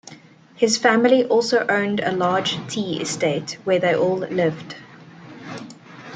His family also owned a large tea estate, where they all lived.